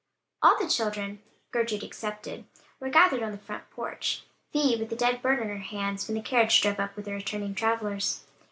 All the children, Gertrude excepted, were gathered on the front porch, Vi with the dead bird in her hands, when the carriage drove up with the returning travelers.